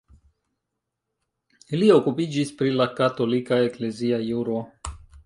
Li okupiĝis pri la katolika eklezia juro.